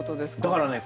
だからね